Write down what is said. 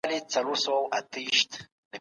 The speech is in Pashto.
عمر فاروق رضي الله عنه به ويل.